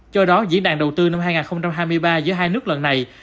do đó diễn đàn đầu tư năm hai nghìn hai mươi ba giữa hai nước lần này